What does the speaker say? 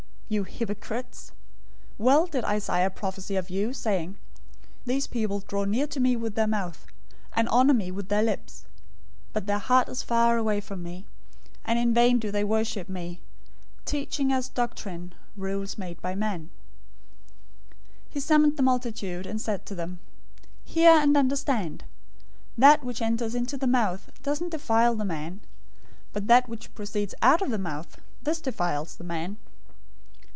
015:007 You hypocrites! Well did Isaiah prophesy of you, saying, 015:008 'These people draw near to me with their mouth, and honor me with their lips; but their heart is far from me. 015:009 And in vain do they worship me, teaching as doctrine rules made by men.'"{Isaiah 29:13} 015:010 He summoned the multitude, and said to them, "Hear, and understand. 015:011 That which enters into the mouth doesn't defile the man; but that which proceeds out of the mouth, this defiles the man."